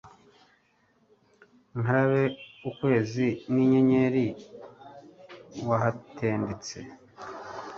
nkareba ukwezi n’inyenyeri wahatendetse